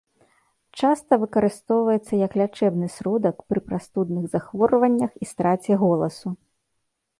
Часта выкарыстоўваецца як лячэбны сродак пры прастудных захворваннях і страце голасу.